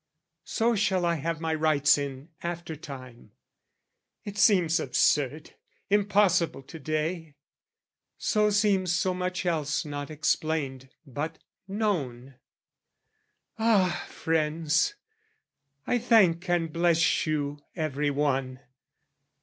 So shall I have my rights in after time. It seems absurd, impossible to day; So seems so much else not explained but known. Ah! Friends, I thank and bless you every one!